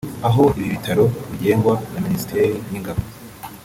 aho ibi bitaro bigengwa na Minisiteri y’ingabo